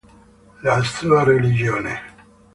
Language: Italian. La sua religione.